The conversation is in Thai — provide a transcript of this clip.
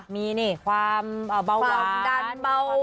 มีนี่ความเบาหวาน